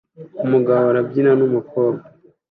Umugabo arabyina numukobwa